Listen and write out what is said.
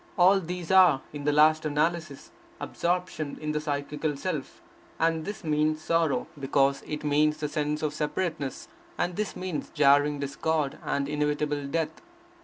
All these are, in the last analysis, absorption in the psychical self; and this means sorrow, because it means the sense of separateness, and this means jarring discord and inevitable death.